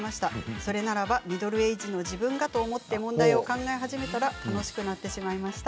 それならばとミドルエイジの自分がと思って問題を考え始めたら楽しくなってしまいました。